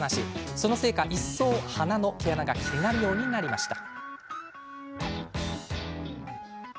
そのせいか、一層、鼻の毛穴が気になるようになりました。